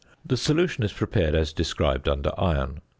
The solution is prepared as described under iron.